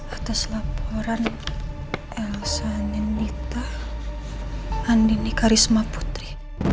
atas laporan elsa nenita andini karisma putri